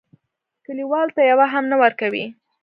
کلیوالو ته یوه هم نه ورکوي.